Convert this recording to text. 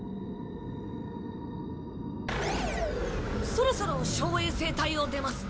そろそろ小衛星帯を出ます。